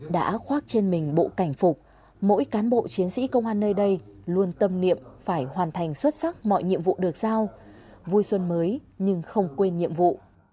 đã khoác trên mình bộ cảnh phục mỗi cán bộ chiến sĩ công an nơi đây luôn tâm niệm phải hoàn thành xuất sắc mọi nhiệm vụ được giao vui xuân mới nhưng không quên nhiệm vụ